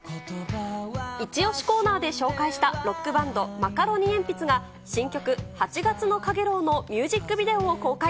イチオシコーナーで紹介したロックバンド、マカロニえんぴつが、新曲、八月の陽炎のミュージックビデオを公開。